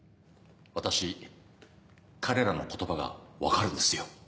私彼らの言葉が分かるんですよ。